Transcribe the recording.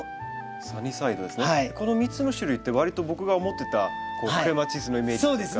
この３つの種類ってわりと僕が思ってたクレマチスのイメージというか。